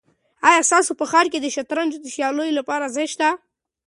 آیا ستاسو په ښار کې د شطرنج د سیالیو لپاره ځای شته؟